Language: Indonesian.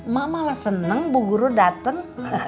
mak malah seneng bu guru datang